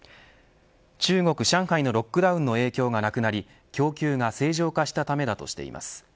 中国、上海のロックダウンの影響がなくなり供給が正常化したためだとしています。